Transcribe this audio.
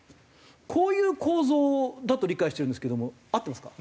こういう構造だと理解してるんですけども合ってますか？